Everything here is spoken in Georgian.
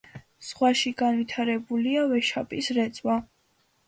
ზღვაში განვითარებულია ვეშაპის რეწვა.